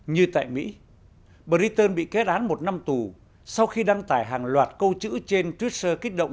như tại mỹ briton bị kết án một năm tù sau khi đăng tải hàng loạt câu chữ trên twitter kích động